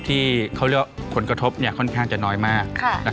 ที่เขาเรียกว่าผลกระทบค่อนข้างจะน้อยมาก